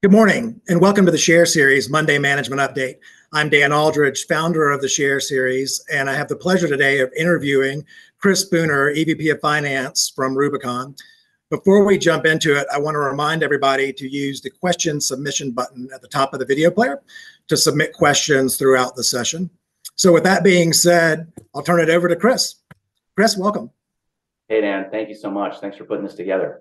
Good morning, and welcome to the Share Series Monday Management Update. I'm Dan Aldridge, founder of the Share Series, and I have the pleasure today of interviewing Chris Spooner, EVP of Finance from Rubicon. Before we jump into it, I wanna remind everybody to use the question submission button at the top of the video player to submit questions throughout the session. So with that being said, I'll turn it over to Chris. Chris, welcome. Hey, Dan, thank you so much. Thanks for putting this together.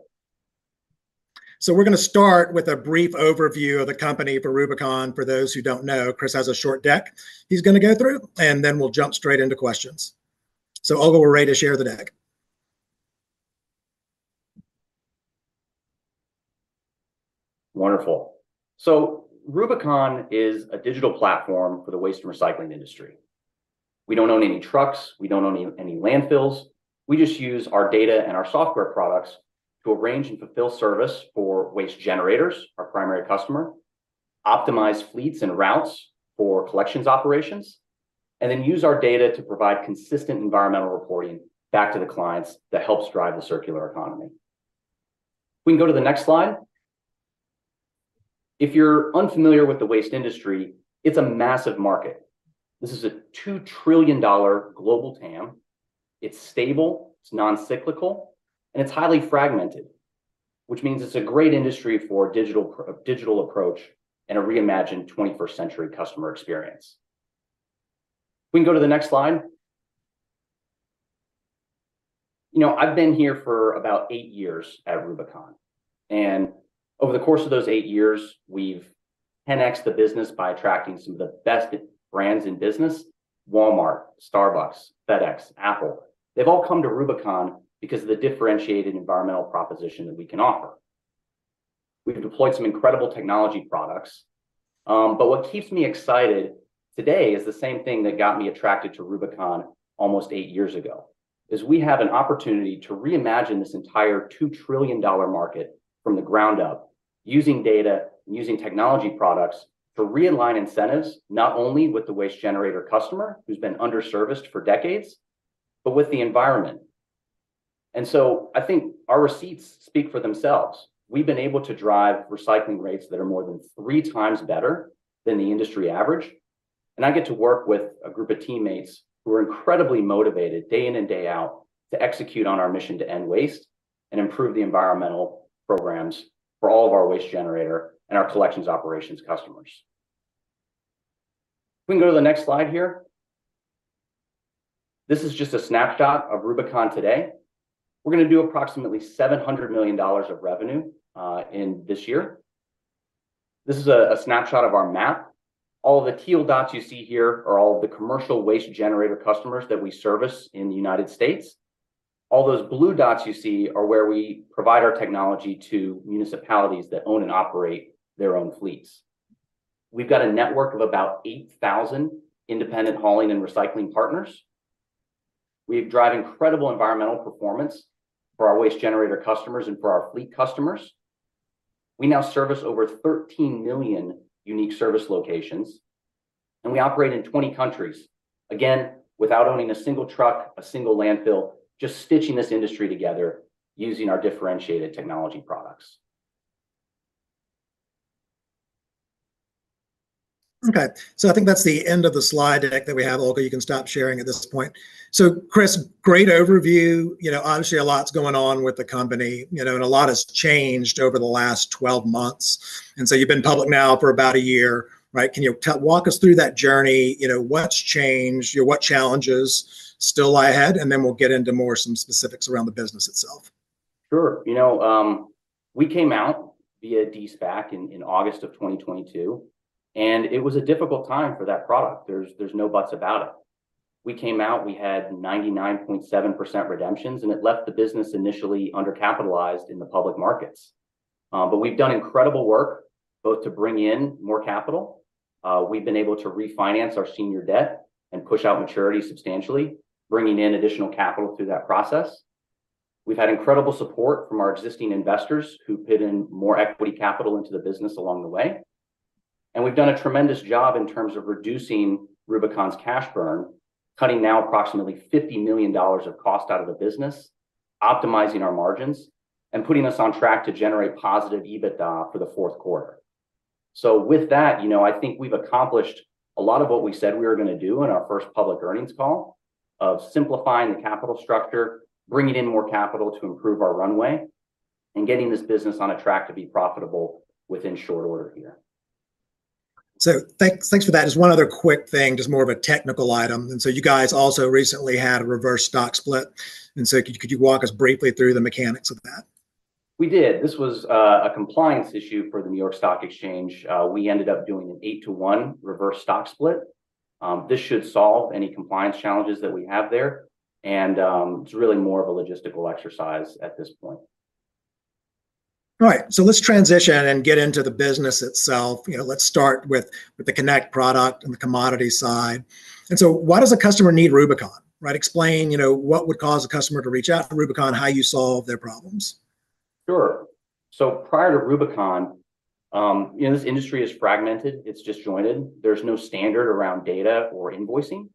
We're gonna start with a brief overview of the company for Rubicon, for those who don't know. Chris has a short deck he's gonna go through, and then we'll jump straight into questions. Olga, we're ready to share the deck. Wonderful! So Rubicon is a digital platform for the waste and recycling industry. We don't own any trucks, we don't own any, any landfills. We just use our data and our software products to arrange and fulfill service for waste generators, our primary customer, optimize fleets and routes for collections operations, and then use our data to provide consistent environmental reporting back to the clients that helps drive the circular economy. We can go to the next slide. If you're unfamiliar with the waste industry, it's a massive market. This is a $2 trillion global TAM. It's stable, it's non-cyclical, and it's highly fragmented, which means it's a great industry for a digital approach and a reimagined 21st-century customer experience. We can go to the next slide. You know, I've been here for about eight years at Rubicon, and over the course of those eight years, we've 10x'd the business by attracting some of the best brands in business: Walmart, Starbucks, FedEx, Apple. They've all come to Rubicon because of the differentiated environmental proposition that we can offer. We've deployed some incredible technology products, but what keeps me excited today is the same thing that got me attracted to Rubicon almost eight years ago. Is we have an opportunity to reimagine this entire $2 trillion market from the ground up, using data and using technology products to realign incentives, not only with the waste generator customer, who's been underserviced for decades, but with the environment. And so I think our receipts speak for themselves. We've been able to drive recycling rates that are more than three times better than the industry average, and I get to work with a group of teammates who are incredibly motivated, day in and day out, to execute on our mission to end waste and improve the environmental programs for all of our waste generator and our collections operations customers. We can go to the next slide here. This is just a snapshot of Rubicon today. We're gonna do approximately $700 million of revenue in this year. This is a snapshot of our map. All the teal dots you see here are all the commercial waste generator customers that we service in the United States. All those blue dots you see are where we provide our technology to municipalities that own and operate their own fleets. We've got a network of about 8,000 independent hauling and recycling partners. We drive incredible environmental performance for our waste generator customers and for our fleet customers. We now service over 13 million unique service locations, and we operate in 20 countries. Again, without owning a single truck, a single landfill, just stitching this industry together using our differentiated technology products. Okay, so I think that's the end of the slide deck that we have. Olga, you can stop sharing at this point. So Chris, great overview. You know, obviously, a lot's going on with the company, you know, and a lot has changed over the last 12 months. And so you've been public now for about a year, right? Can you walk us through that journey? You know, what's changed? You know, what challenges still lie ahead? And then we'll get into more, some specifics around the business itself. Sure. You know, we came out via de-SPAC in August of 2022, and it was a difficult time for that product. There's no buts about it. We came out, we had 99.7% redemptions, and it left the business initially undercapitalized in the public markets. But we've done incredible work both to bring in more capital. We've been able to refinance our senior debt and push out maturity substantially, bringing in additional capital through that process. We've had incredible support from our existing investors, who put in more equity capital into the business along the way. And we've done a tremendous job in terms of reducing Rubicon's cash burn, cutting now approximately $50 million of cost out of the business, optimizing our margins, and putting us on track to generate positive EBITDA for the Q4. With that, you know, I think we've accomplished a lot of what we said we were gonna do in our first public earnings call, of simplifying the capital structure, bringing in more capital to improve our runway, and getting this business on a track to be profitable within short order here. So thanks, thanks for that. Just one other quick thing, just more of a technical item. And so you guys also recently had a reverse stock split, and so could you walk us briefly through the mechanics of that? We did. This was a compliance issue for the New York Stock Exchange. We ended up doing an 8-to-1 reverse stock split. This should solve any compliance challenges that we have there, and it's really more of a logistical exercise at this point. All right, let's transition and get into the business itself. You know, let's start with the Connect product and the commodity side. So, why does a customer need Rubicon, right? Explain, you know, what would cause a customer to reach out to Rubicon, how you solve their problems. Sure. So prior to Rubicon, you know, this industry is fragmented, it's disjointed. There's no standard around data or invoicing....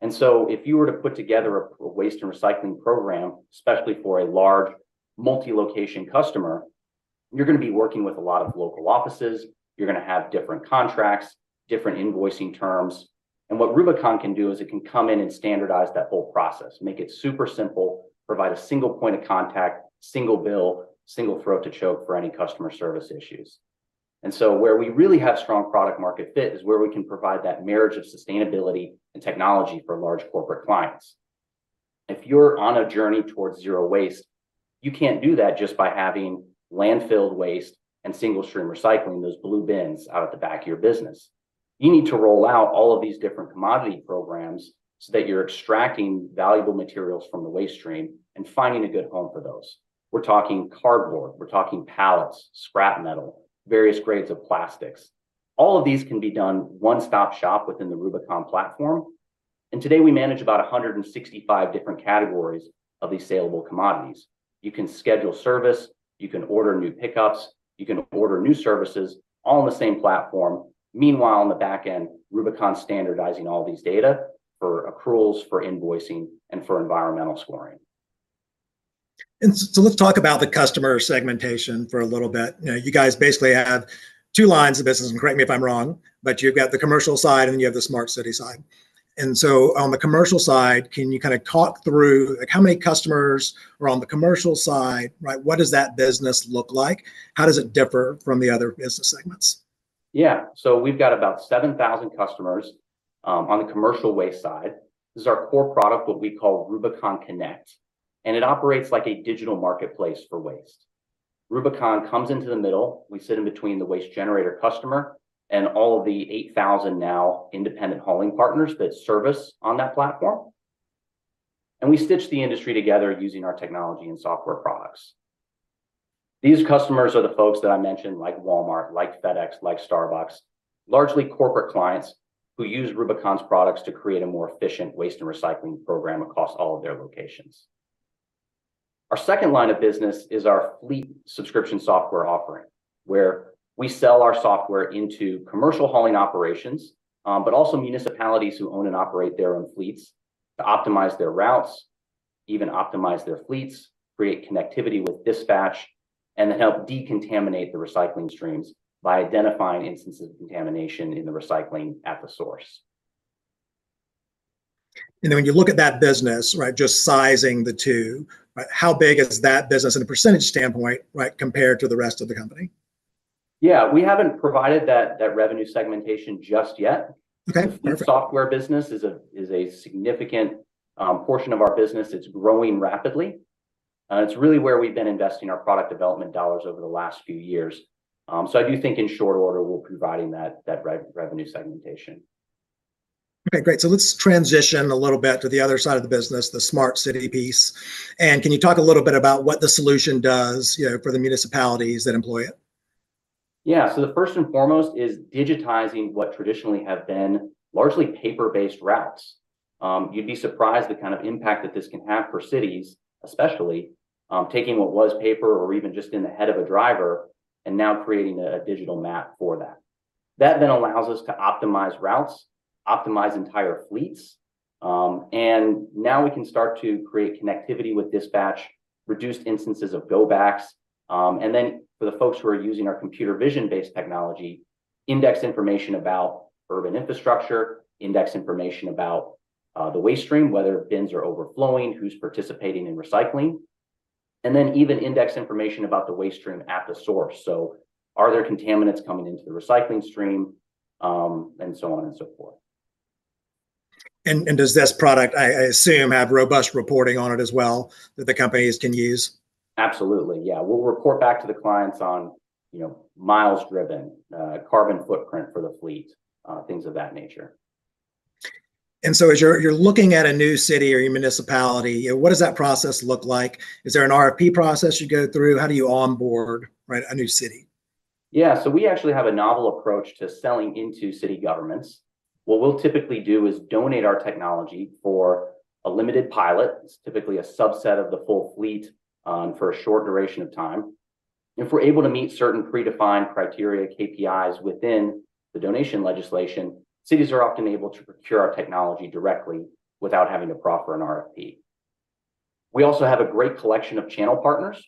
And so if you were to put together a waste and recycling program, especially for a large multi-location customer, you're gonna be working with a lot of local offices, you're gonna have different contracts, different invoicing terms. And what Rubicon can do is it can come in and standardize that whole process, make it super simple, provide a single point of contact, single bill, single throat to choke for any customer service issues. And so where we really have strong product market fit is where we can provide that marriage of sustainability and technology for large corporate clients. If you're on a journey towards zero waste, you can't do that just by having landfill waste and single-stream recycling, those blue bins out at the back of your business. You need to roll out all of these different commodity programs so that you're extracting valuable materials from the waste stream and finding a good home for those. We're talking cardboard, we're talking pallets, scrap metal, various grades of plastics. All of these can be done one-stop shop within the Rubicon platform, and today we manage about 165 different categories of these saleable commodities. You can schedule service, you can order new pickups, you can order new services, all on the same platform. Meanwhile, on the back end, Rubicon's standardizing all these data for approvals, for invoicing, and for environmental scoring. So let's talk about the customer segmentation for a little bit. You know, you guys basically have two lines of business, and correct me if I'm wrong, but you've got the commercial side, and you have the smart city side. So on the commercial side, can you kinda talk through, like, how many customers are on the commercial side, right? What does that business look like? How does it differ from the other business segments? Yeah. So we've got about 7,000 customers on the commercial waste side. This is our core product, what we call RubiconConnect, and it operates like a digital marketplace for waste. Rubicon comes into the middle. We sit in between the waste generator customer and all of the 8,000 now independent hauling partners that service on that platform, and we stitch the industry together using our technology and software products. These customers are the folks that I mentioned, like Walmart, like FedEx, like Starbucks, largely corporate clients who use Rubicon's products to create a more efficient waste and recycling program across all of their locations. Our second line of business is our fleet subscription software offering, where we sell our software into commercial hauling operations, but also municipalities who own and operate their own fleets, to optimize their routes, even optimize their fleets, create connectivity with dispatch, and to help decontaminate the recycling streams by identifying instances of contamination in the recycling at the source. And then when you look at that business, right, just sizing the two, right, how big is that business in a percentage standpoint, right, compared to the rest of the company? Yeah, we haven't provided that, that revenue segmentation just yet. Okay, perfect. The software business is a significant portion of our business. It's growing rapidly, and it's really where we've been investing our product development dollars over the last few years. So I do think in short order, we're providing that revenue segmentation. Okay, great. So let's transition a little bit to the other side of the business, the smart city piece, and can you talk a little bit about what the solution does, you know, for the municipalities that employ it? Yeah. So the first and foremost is digitizing what traditionally have been largely paper-based routes. You'd be surprised the kind of impact that this can have for cities, especially, taking what was paper or even just in the head of a driver, and now creating a digital map for that. That then allows us to optimize routes, optimize entire fleets, and now we can start to create connectivity with dispatch, reduce instances of go-backs, and then for the folks who are using our computer vision-based technology, index information about urban infrastructure, index information about the waste stream, whether bins are overflowing, who's participating in recycling, and then even index information about the waste stream at the source. So are there contaminants coming into the recycling stream? And so on and so forth. Does this product, I assume, have robust reporting on it as well, that the companies can use? Absolutely, yeah. We'll report back to the clients on, you know, miles driven, carbon footprint for the fleet, things of that nature. And so as you're looking at a new city or a municipality, what does that process look like? Is there an RFP process you go through? How do you onboard, right, a new city? Yeah. So we actually have a novel approach to selling into city governments. What we'll typically do is donate our technology for a limited pilot. It's typically a subset of the full fleet for a short duration of time. If we're able to meet certain predefined criteria, KPIs, within the donation legislation, cities are often able to procure our technology directly without having to proffer an RFP. We also have a great collection of channel partners.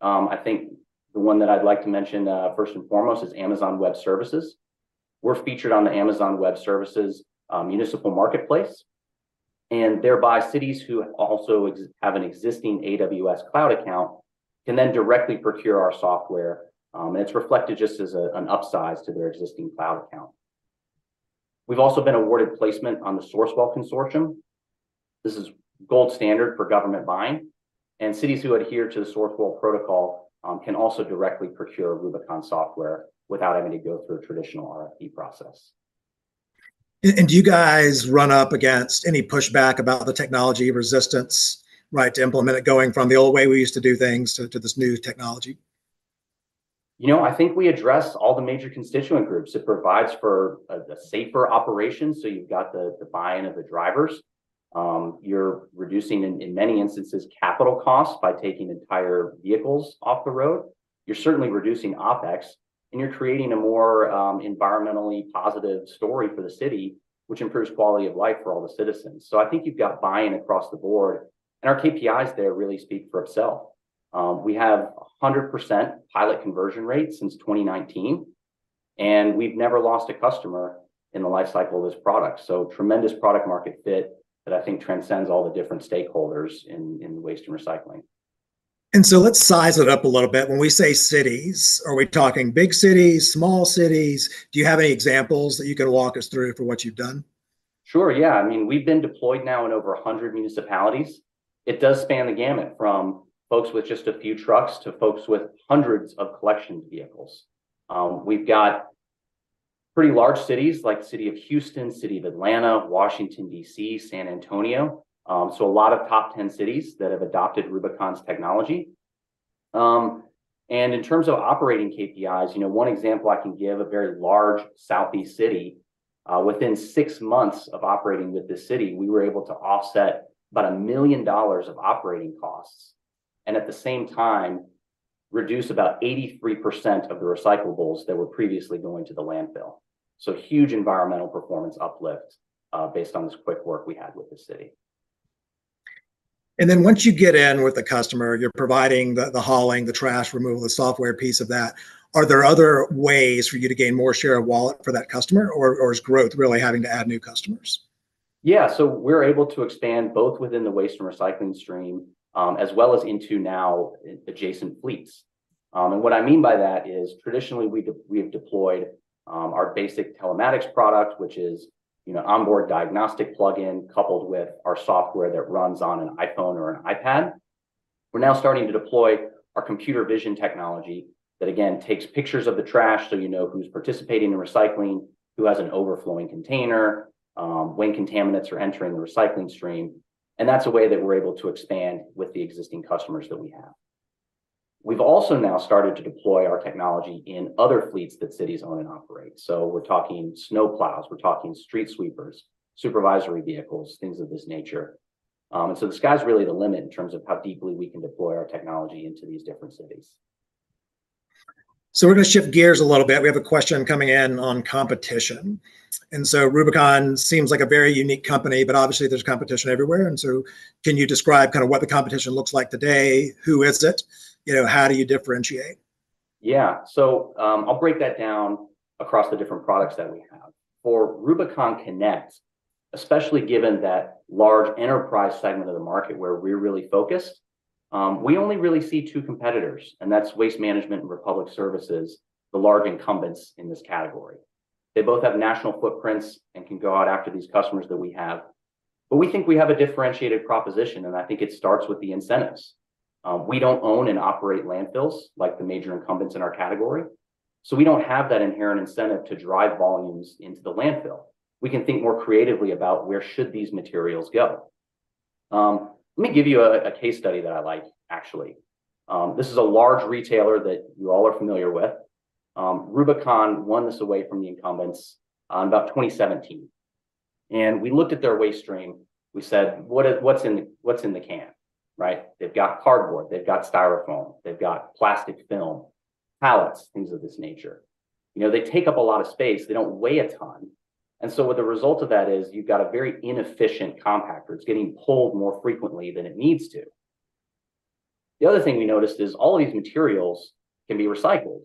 I think the one that I'd like to mention first and foremost is Amazon Web Services. We're featured on the Amazon Web Services municipal Marketplace, and thereby, cities who also have an existing AWS cloud account can then directly procure our software, and it's reflected just as a, an upsize to their existing cloud account. We've also been awarded placement on the Sourcewell consortium. This is gold standard for government buying, and cities who adhere to the Sourcewell protocol can also directly procure Rubicon software without having to go through a traditional RFP process. And do you guys run up against any pushback about the technology resistance, right, to implement it, going from the old way we used to do things to this new technology? You know, I think we address all the major constituent groups. It provides for a safer operation, so you've got the buy-in of the drivers. You're reducing in many instances, capital costs by taking entire vehicles off the road. You're certainly reducing OpEx and you're creating a more environmentally positive story for the city, which improves quality of life for all the citizens. So I think you've got buy-in across the board, and our KPIs there really speak for itself. We have a 100% pilot conversion rate since 2019, and we've never lost a customer in the life cycle of this product. So tremendous product market fit that I think transcends all the different stakeholders in waste and recycling. Let's size it up a little bit. When we say cities, are we talking big cities, small cities? Do you have any examples that you can walk us through for what you've done? Sure, yeah. I mean, we've been deployed now in over 100 municipalities. It does span the gamut from folks with just a few trucks to folks with hundreds of collection vehicles. We've got pretty large cities like City of Houston, City of Atlanta, Washington, D.C., San Antonio. So a lot of top 10 cities that have adopted Rubicon's technology. And in terms of operating KPIs, you know, one example I can give, a very large southeast city, within six months of operating with the city, we were able to offset about $1 million of operating costs, and at the same time, reduce about 83% of the recyclables that were previously going to the landfill. So huge environmental performance uplift, based on this quick work we had with the city. And then once you get in with the customer, you're providing the hauling, the trash removal, the software piece of that. Are there other ways for you to gain more share of wallet for that customer, or is growth really having to add new customers? Yeah. So we're able to expand both within the waste and recycling stream, as well as into now adjacent fleets. And what I mean by that is traditionally, we have deployed our basic telematics product, which is, you know, onboard diagnostic plugin, coupled with our software that runs on an iPhone or an iPad. We're now starting to deploy our computer vision technology that, again, takes pictures of the trash so you know who's participating in recycling, who has an overflowing container, when contaminants are entering the recycling stream, and that's a way that we're able to expand with the existing customers that we have. We've also now started to deploy our technology in other fleets that cities own and operate. So we're talking snow plows, we're talking street sweepers, supervisory vehicles, things of this nature. And so the sky's really the limit in terms of how deeply we can deploy our technology into these different cities. So we're gonna shift gears a little bit. We have a question coming in on competition, and so Rubicon seems like a very unique company, but obviously, there's competition everywhere. And so can you describe kind of what the competition looks like today? Who is it? You know, how do you differentiate? Yeah. So, I'll break that down across the different products that we have. For RubiconConnect, especially given that large enterprise segment of the market where we're really focused, we only really see two competitors, and that's Waste Management and Republic Services, the large incumbents in this category. They both have national footprints and can go out after these customers that we have. But we think we have a differentiated proposition, and I think it starts with the incentives. We don't own and operate landfills like the major incumbents in our category, so we don't have that inherent incentive to drive volumes into the landfill. We can think more creatively about where should these materials go. Let me give you a case study that I like, actually. This is a large retailer that you all are familiar with. Rubicon won this away from the incumbents in about 2017, and we looked at their waste stream. We said, "What's in the can?" Right? They've got cardboard, they've got Styrofoam, they've got plastic film, pallets, things of this nature. You know, they take up a lot of space. They don't weigh a ton, and so what the result of that is, you've got a very inefficient compactor. It's getting pulled more frequently than it needs to. The other thing we noticed is all of these materials can be recycled,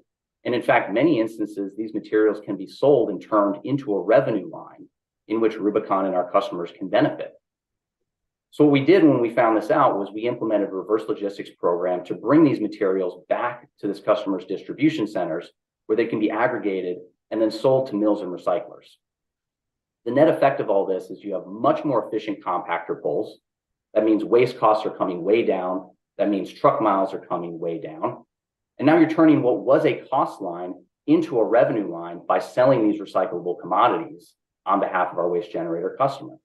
and in fact, many instances, these materials can be sold and turned into a revenue line in which Rubicon and our customers can benefit. So what we did when we found this out was we implemented a reverse logistics program to bring these materials back to this customer's distribution centers, where they can be aggregated and then sold to mills and recyclers. The net effect of all this is you have much more efficient compactor pulls. That means waste costs are coming way down. That means truck miles are coming way down, and now you're turning what was a cost line into a revenue line by selling these recyclable commodities on behalf of our waste generator customer.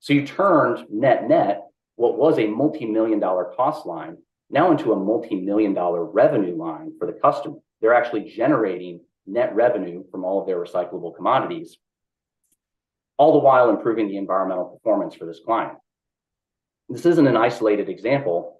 So you turned net-net, what was a $multi-million-dollar cost line now into a $multi-million-dollar revenue line for the customer. They're actually generating net revenue from all of their recyclable commodities, all the while improving the environmental performance for this client. This isn't an isolated example.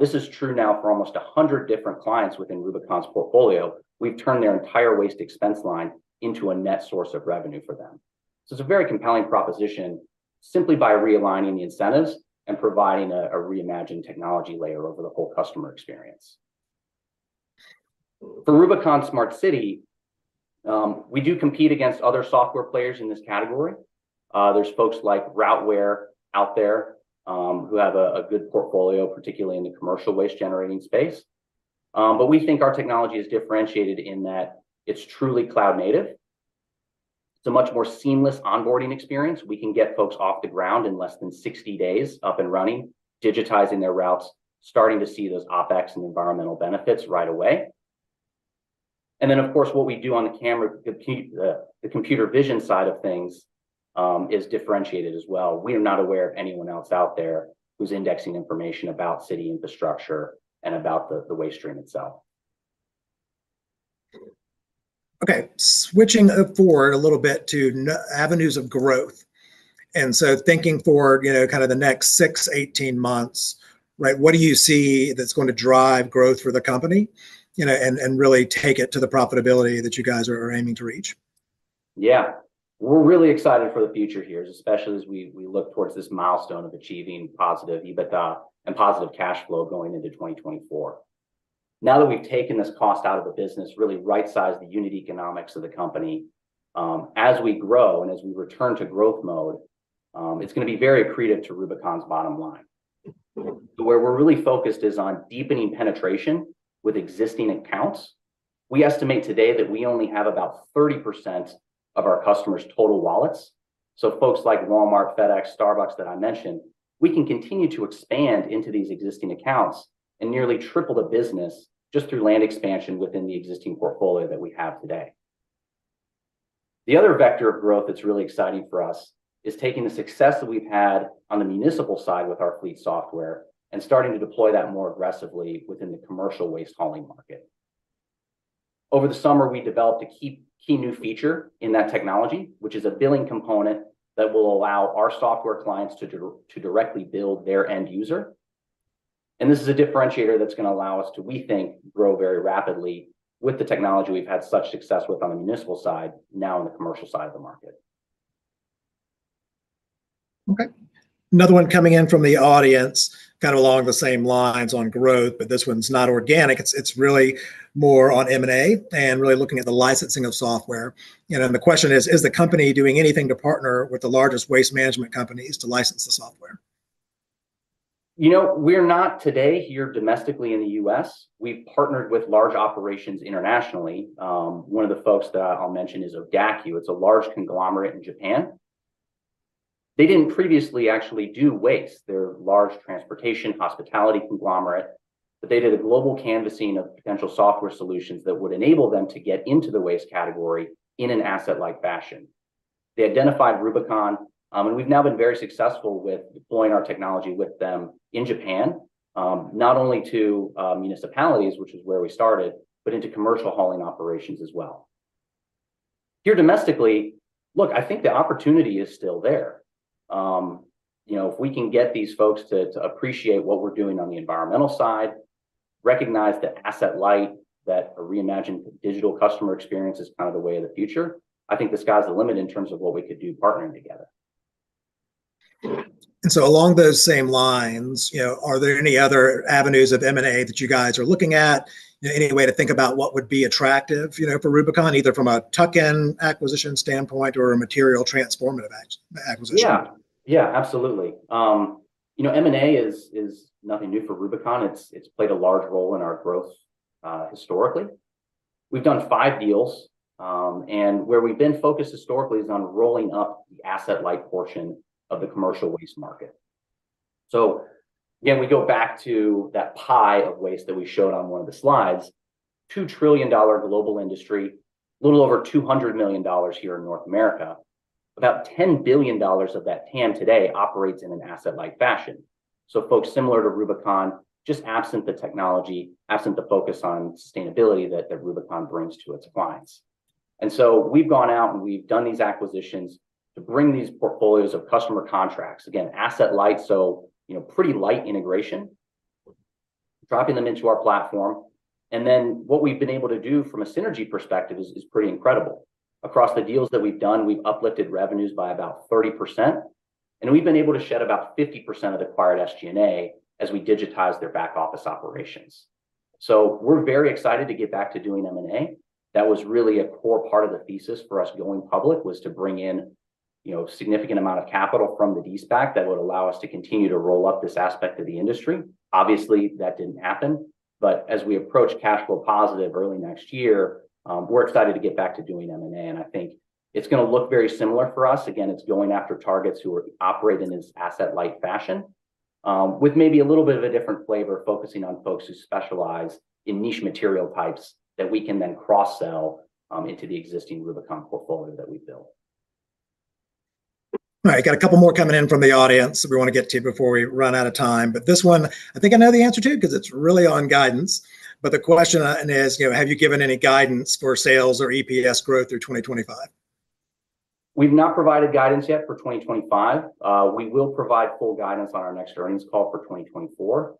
This is true now for almost 100 different clients within Rubicon's portfolio. We've turned their entire waste expense line into a net source of revenue for them. So it's a very compelling proposition simply by realigning the incentives and providing a reimagined technology layer over the whole customer experience. For RubiconSmartCity, we do compete against other software players in this category. There's folks like Routeware out there, who have a good portfolio, particularly in the commercial waste-generating space. But we think our technology is differentiated in that it's truly cloud native. It's a much more seamless onboarding experience. We can get folks off the ground in less than 60 days, up and running, digitizing their routes, starting to see those OpEx and environmental benefits right away. And then, of course, what we do on the camera, the computer vision side of things, is differentiated as well. We are not aware of anyone else out there who's indexing information about city infrastructure and about the, the waste stream itself.... Okay, switching forward a little bit to avenues of growth. So thinking forward, you know, kind of the next 6, 18 months, right? What do you see that's going to drive growth for the company, you know, and really take it to the profitability that you guys are aiming to reach? Yeah. We're really excited for the future here, especially as we, we look towards this milestone of achieving positive EBITDA and positive cash flow going into 2024. Now that we've taken this cost out of the business, really right-sized the unit economics of the company, as we grow and as we return to growth mode, it's gonna be very accretive to Rubicon's bottom line. Where we're really focused is on deepening penetration with existing accounts. We estimate today that we only have about 30% of our customers' total wallets. So folks like Walmart, FedEx, Starbucks that I mentioned, we can continue to expand into these existing accounts and nearly triple the business just through land expansion within the existing portfolio that we have today. The other vector of growth that's really exciting for us is taking the success that we've had on the municipal side with our fleet software and starting to deploy that more aggressively within the commercial waste hauling market. Over the summer, we developed a key, key new feature in that technology, which is a billing component that will allow our software clients to directly bill their end user. And this is a differentiator that's gonna allow us to, we think, grow very rapidly with the technology we've had such success with on the municipal side, now on the commercial side of the market. Okay. Another one coming in from the audience, kind of along the same lines on growth, but this one's not organic. It's really more on M&A and really looking at the licensing of software. You know, and the question is: "Is the company doing anything to partner with the largest waste management companies to license the software? You know, we're not today here domestically in the US, we've partnered with large operations internationally. One of the folks that I'll mention is Odakyu. It's a large conglomerate in Japan. They didn't previously actually do waste. They're a large transportation, hospitality conglomerate, but they did a global canvassing of potential software solutions that would enable them to get into the waste category in an asset-light fashion. They identified Rubicon, and we've now been very successful with deploying our technology with them in Japan, not only to municipalities, which is where we started, but into commercial hauling operations as well. Here domestically... Look, I think the opportunity is still there. You know, if we can get these folks to appreciate what we're doing on the environmental side, recognize the asset light, that a reimagined digital customer experience is kind of the way of the future, I think the sky's the limit in terms of what we could do partnering together. Along those same lines, you know, are there any other avenues of M&A that you guys are looking at? Any way to think about what would be attractive, you know, for Rubicon, either from a tuck-in acquisition standpoint or a material transformative acquisition? Yeah. Yeah, absolutely. You know, M&A is nothing new for Rubicon. It's played a large role in our growth historically. We've done five deals, and where we've been focused historically is on rolling up the asset-light portion of the commercial waste market. So again, we go back to that pie of waste that we showed on one of the slides, $2 trillion global industry, a little over $200 million here in North America. About $10 billion of that TAM today operates in an asset-light fashion. So folks similar to Rubicon, just absent the technology, absent the focus on sustainability that Rubicon brings to its clients. And so we've gone out, and we've done these acquisitions to bring these portfolios of customer contracts. Again, asset light, so you know, pretty light integration, dropping them into our platform. What we've been able to do from a synergy perspective is pretty incredible. Across the deals that we've done, we've uplifted revenues by about 30%, and we've been able to shed about 50% of the acquired SG&A as we digitize their back-office operations. We're very excited to get back to doing M&A. That was really a core part of the thesis for us going public, was to bring in, you know, significant amount of capital from the de-SPAC that would allow us to continue to roll up this aspect of the industry. Obviously, that didn't happen, as we approach cash flow positive early next year, we're excited to get back to doing M&A, and I think it's gonna look very similar for us. Again, it's going after targets who operate in this asset-light fashion, with maybe a little bit of a different flavor, focusing on folks who specialize in niche material types that we can then cross-sell into the existing Rubicon portfolio that we built. All right. Got a couple more coming in from the audience that we want to get to before we run out of time. But this one, I think I know the answer to, because it's really on guidance, but the question, is, you know: "Have you given any guidance for sales or EPS growth through 2025? We've not provided guidance yet for 2025. We will provide full guidance on our next earnings call for 2024.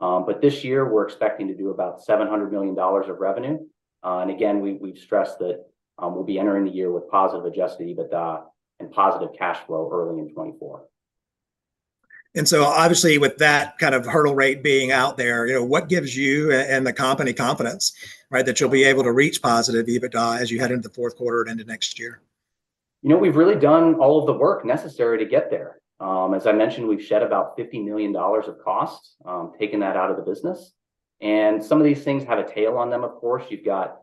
But this year, we're expecting to do about $700 million of revenue. And again, we've stressed that, we'll be entering the year with positive Adjusted EBITDA and positive cash flow early in 2024. And so obviously, with that kind of hurdle rate being out there, you know, what gives you and the company confidence, right, that you'll be able to reach positive EBITDA as you head into the Q4 and into next year? You know, we've really done all of the work necessary to get there. As I mentioned, we've shed about $50 million of costs, taking that out of the business, and some of these things have a tail on them, of course. You've got,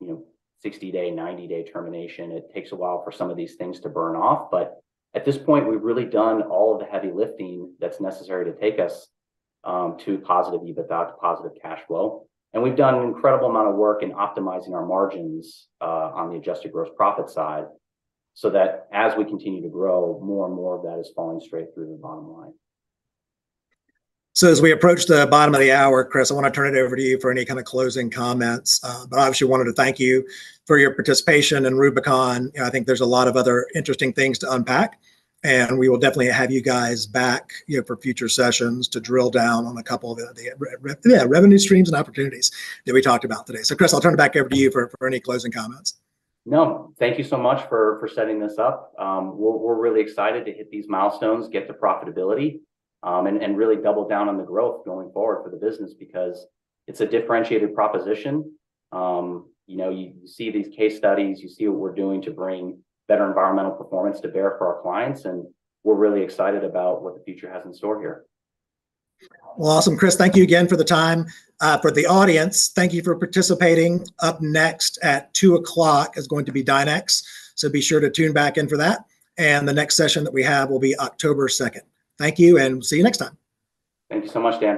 you know, 60-day, 90-day termination. It takes a while for some of these things to burn off, but at this point, we've really done all of the heavy lifting that's necessary to take us to positive EBITDA, to positive cash flow. We've done an incredible amount of work in optimizing our margins on the adjusted gross profit side, so that as we continue to grow, more and more of that is falling straight through to the bottom line. As we approach the bottom of the hour, Chris, I want to turn it over to you for any kind of closing comments. But obviously, wanted to thank you for your participation in Rubicon. You know, I think there's a lot of other interesting things to unpack, and we will definitely have you guys back, you know, for future sessions to drill down on a couple of the revenue streams and opportunities that we talked about today. So Chris, I'll turn it back over to you for any closing comments. No, thank you so much for setting this up. We're really excited to hit these milestones, get to profitability, and really double down on the growth going forward for the business, because it's a differentiated proposition. You know, you see these case studies, you see what we're doing to bring better environmental performance to bear for our clients, and we're really excited about what the future has in store here. Well, awesome. Chris, thank you again for the time. For the audience, thank you for participating. Up next, at 2:00, is going to be Dynex, so be sure to tune back in for that, and the next session that we have will be October 2nd. Thank you, and we'll see you next time. Thank you so much, Dan.